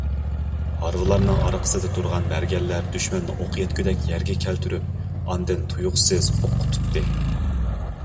ھارۋىلارنىڭ ئارقىسىدا تۇرغان مەرگەنلەر دۈشمەننى ئوق يەتكۈدەك يەرگە كەلتۈرۈپ، ئاندىن تۇيۇقسىز ئوققا تۇتتى.